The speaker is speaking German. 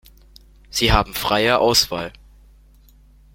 Sie haben freie Auswahl.